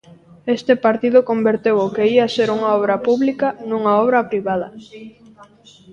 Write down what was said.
Este partido converteu o que ía ser unha obra pública nunha obra privada.